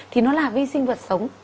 thì nó là vi sinh vật sống